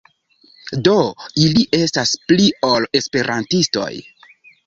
Do ili estas pli ol Esperantistoj.